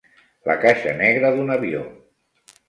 La caixa negra d'un avió.